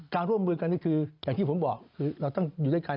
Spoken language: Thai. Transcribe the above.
ร่วมมือกันนี่คืออย่างที่ผมบอกคือเราต้องอยู่ด้วยกัน